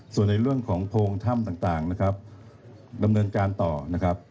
ส่วนในเรื่องของโพงถ้ำต่างนะครับดำเนินการต่อนะครับ